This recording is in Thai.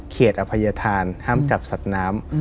อภัยธานห้ามจับสัตว์น้ำ